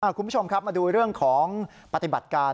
คุณผู้ชมครับมาดูเรื่องของปฏิบัติการ